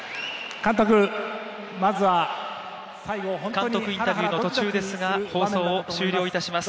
監督インタビューの途中ですが放送を終了いたします。